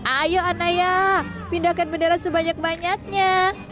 ayo anaya pindahkan bendera sebanyak banyaknya